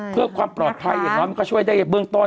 เพื่อความปลอดภัยอย่างน้อยมันก็ช่วยได้เบื้องต้น